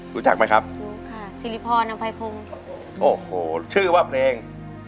รู้จักไหมครับรู้ค่ะศิริพอน้ำไพพรุงโอ้โหชื่อว่าเพลง